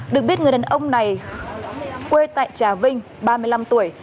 được biết người đàn ông này quê tại trà vinh ba mươi năm tuổi